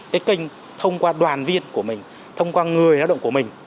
cái kênh thông qua đoàn viên của mình thông qua người lao động của mình